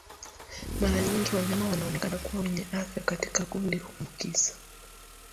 Mara nyingi wanyama wanaoonekana kuwa wenye afya katika kundi huambukizwa